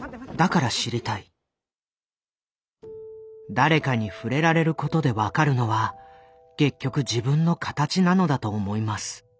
誰かに触れられることで分かるのは結局自分の形なのだと思います。